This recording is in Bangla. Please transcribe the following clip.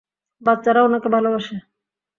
বাচ্চারা উনাকে ভালোবাসে!